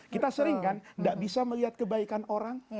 kita sering kan tidak bisa melihat kebaikan orang